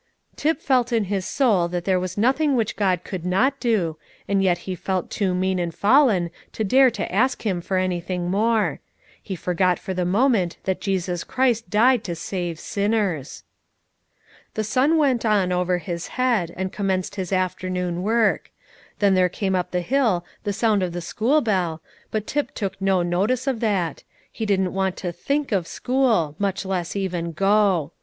Tip felt in his soul that there was nothing which God could not do, and yet he felt too mean and fallen to dare to ask Him for anything more; he forgot for the moment that Jesus Christ died to save sinners. The sun went on over his head, and commenced his afternoon work; then there came up the hill the sound of the school bell, but Tip took no notice of that; he didn't want to think of school, much less even go.